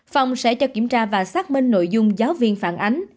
phòng sẽ cho kiểm tra và xác minh nội dung giáo viên phản ánh